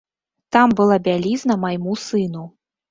Там была бялізна майму сыну.